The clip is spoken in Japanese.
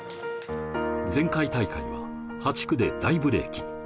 前回大会は８区で大ブレーキ。